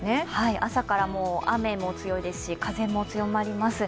朝から、雨も強いですし、風も強まります。